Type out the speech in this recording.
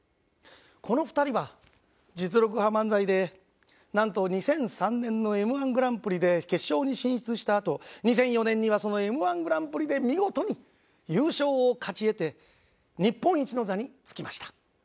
この２人は実力派漫才でなんと２００３年のＭ−１グランプリで決勝に進出したあと２００４年にはそのＭ−１グランプリで見事に優勝を勝ち得て日本一の座につきました。